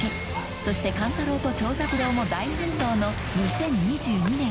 そして勘太郎と長三郎も大奮闘の２０２２年。